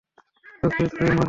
তোকে ধরে মারবে!